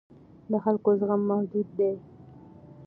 د خلکو زغم محدود دی